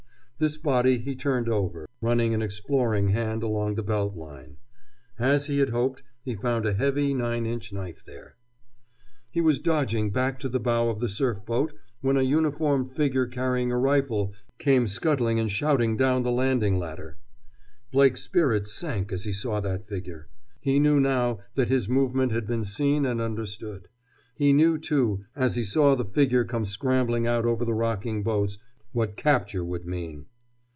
This body he turned over, running an exploring hand along the belt line. As he had hoped, he found a heavy nine inch knife there. He was dodging back to the bow of the surf boat when a uniformed figure carrying a rifle came scuttling and shouting down the landing ladder. Blake's spirits sank as he saw that figure. He knew now that his movement had been seen and understood. He knew, too, as he saw the figure come scrambling out over the rocking boats, what capture would mean.